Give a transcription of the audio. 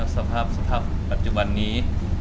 สภาพปัจจุบันนี้